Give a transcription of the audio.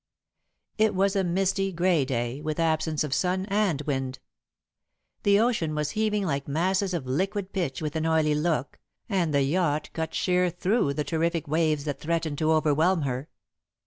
It was a misty, grey day, with absence of sun and wind. The ocean was heaving like masses of liquid pitch with an oily look, and the yacht cut sheer through the terrific waves that threatened to overwhelm her.